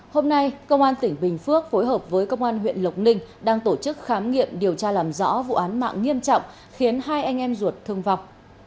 hôm nay công an tỉnh bình phước phối hợp với công an huyện lộc ninh đang tổ chức khám nghiệm điều tra làm rõ vụ án mạng nghiêm trọng khiến hai anh em ruột thương vọc